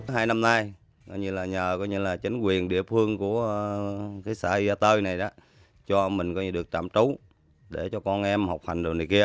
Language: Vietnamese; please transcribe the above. hai năm nay nhờ chính quyền địa phương của xã la tơi này cho mình được tạm trú để cho con em học hành đồ này kia